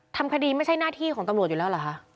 ทำคดีไม่ใช่หน้าที่ของตำรวจอยู่แล้วเหรอคะ